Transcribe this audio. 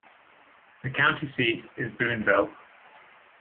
The county seat is Boonville.